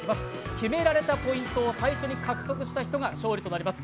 決められたポイントを最初に獲得した人が勝利となります。